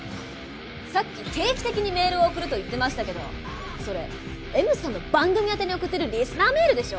さっき定期的にメールを送ると言ってましたけどそれＭさんの番組宛てに送ってるリスナーメールでしょ？